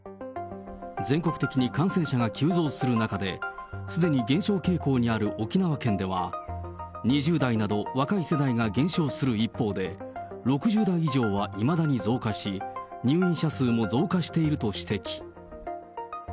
全国的に感染者が急増する中で、すでに減少傾向にある沖縄県では、２０代など若い世代が減少する一方で、６０代以上はいまだに増加し、入院者数も増加していると指摘。